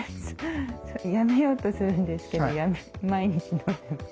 やめようとするんですけど毎日飲んでます。